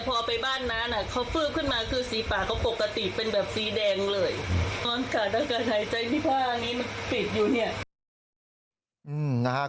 ตอนการหายใจพี่พ่ออันนี้มันปิดอยู่